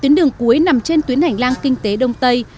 tuyến đường ngô quyền nằm trên tuyến hành lang kinh tế đông tây